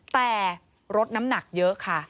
แต่ลดน้ำหนักเยอะค่ะ